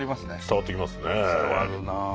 伝わるなあ。